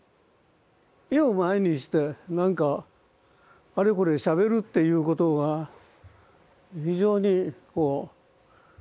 絵を前にしてなんかあれこれしゃべるっていうことが非常にこう